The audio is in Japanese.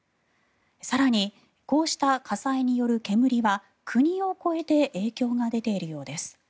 更に、こうした火災による煙は国を越えて影響が出ているようです。